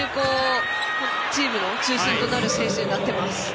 チームの中心となる選手になっています。